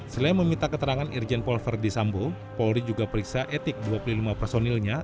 selain meminta keterangan irjen pol verdi sambo polri juga periksa etik dua puluh lima personilnya